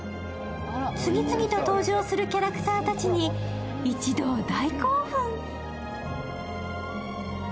次々と登場するキャラクターたちに、一同大興奮。